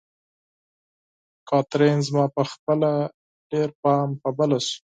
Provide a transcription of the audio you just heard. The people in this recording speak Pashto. کاترین: زما خو خپله ډېر پام په بله شو.